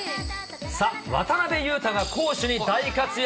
さあ、渡邊雄太が攻守に大活躍。